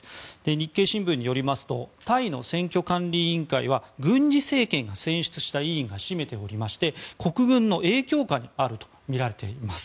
日経新聞によりますとタイの選挙管理委員会は軍事政権が選出した委員が占めておりまして国軍の影響下にあるとみられています。